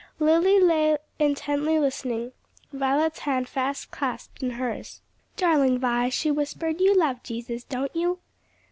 Lily lay intently listening, Violet's hand fast clasped in hers. "Darling Vi," she whispered, "you love Jesus, don't you?"